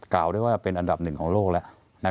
กล่าวได้ว่าเป็นอันดับหนึ่งของโลกแล้ว